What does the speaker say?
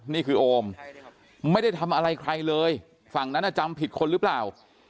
โอมไม่ได้ทำอะไรใครเลยฝั่งนั้นจำผิดคนหรือเปล่า